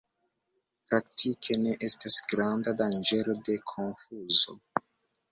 Praktike ne estas granda danĝero de konfuzo.